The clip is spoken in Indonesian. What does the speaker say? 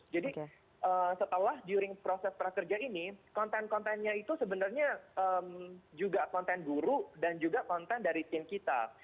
setelah juring proses prakerja ini konten kontennya itu sebenarnya juga konten guru dan juga konten dari tim kita